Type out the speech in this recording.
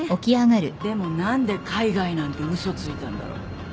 でも何で海外なんて嘘ついたんだろう？